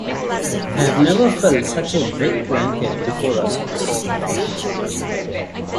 I have never felt such a wet blanket before or since.